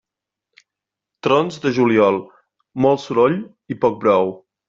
Trons de juliol, molt soroll i poc brou.